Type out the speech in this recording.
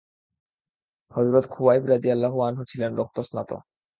হযরত খুবাইব রাযিয়াল্লাহু আনহু ছিলেন রক্তস্নাত।